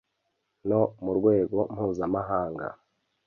no mu rwego mpuzamahanga